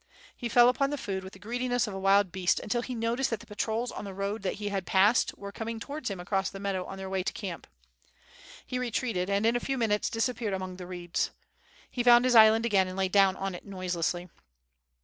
He fell upon the food with the greediness of a wild beast until he noticed that the patrols on the road that he had passed were coming to^\"ards him across the meadow on their way to the camp. Fie then retreated and in a few minutes disappeared among the reeds. He found his island again and lay down on it noiselessly.